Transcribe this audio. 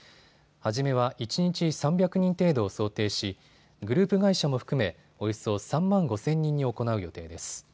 初めは一日３００人程度を想定しグループ会社も含めおよそ３万５０００人に行う予定です。